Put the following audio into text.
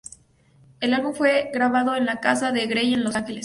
El álbum fue grabado en la casa de Grey en Los Ángeles.